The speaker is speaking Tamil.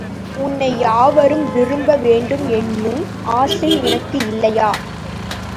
உன்னை யாவரும் விரும்ப வேண்டும் என்னும் ஆசை உனக் கில்லையா?